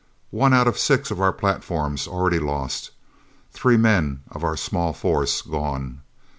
One out of six of our platforms already lost! Three men of our small force gone!